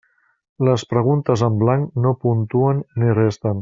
Les preguntes en blanc no puntuen ni resten.